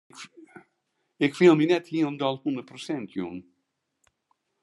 Ik fiel my net hielendal hûndert persint jûn.